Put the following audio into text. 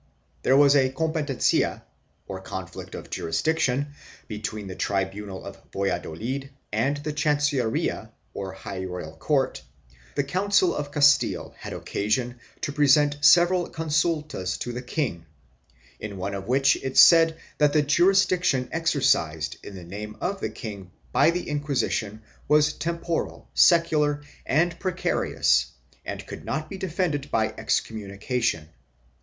There was a competencia, or conflict of jurisdiction, between the tribunal of Valladolid and the chancilleria or high royal court ; the Council of Castile had occasion to present several consul tas to the king, in one of which it said that the jurisdiction exercised in the name of the king by the Inquisition was temporal, secular and precarious and could not be defended by excom munication.